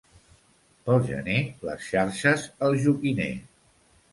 Pel gener les xarxes al joquiner.